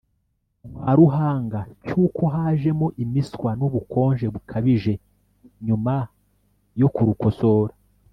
rwa Ruhanga cy uko hajemo imiswa n ubukonje bukabije nyuma yo kurukosora